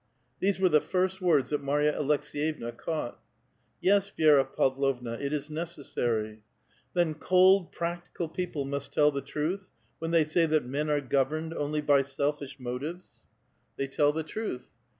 These were the first words that Marya Aleksi^yevna caught. "" Yes, Vi^ra Pavlovna, it is necessary." " Then cold, practical peoi)le must tell the truth, when they say that men are governed only by selfish motives? " 86 A VITAL QUESTION. " They tell the truth.